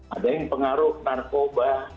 ada yang pengaruh narkoba